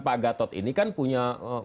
pak gatot ini kan punya